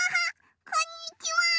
こんにちは。